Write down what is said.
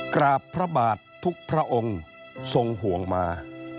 กราบพระบาททุกพระองค์ทรงห่วงมา